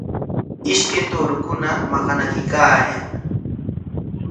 Ishkay tuurukuna maqanakuykaayan.